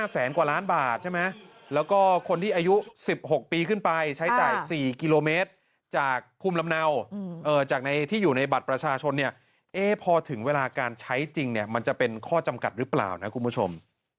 แสนกว่าล้านบาทใช่ไหมแล้วก็คนที่อายุ๑๖ปีขึ้นไปใช้จ่าย๔กิโลเมตรจากภูมิลำเนาที่อยู่ในบัตรประชาชนเนี่ยพอถึงเวลาการใช้จริงเนี่ยมันจะเป็นข้อจำกัดหรือเปล่านะคุณผู้ชม